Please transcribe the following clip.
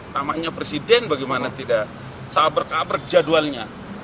namanya presiden bagaimana tidak seabrek abrek jadwalnya